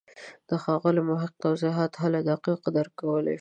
د ښاغلي محق توضیحات هله دقیق درک کولای شو.